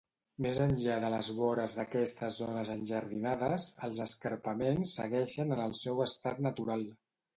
Més enllà de les vores d'aquestes zones enjardinades, els escarpaments segueixen en el seu estat natural.